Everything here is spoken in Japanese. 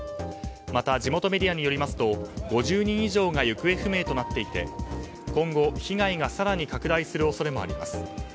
また、地元メディアによりますと５０人以上が行方不明となっていて今後、被害が更に拡大する恐れもあります。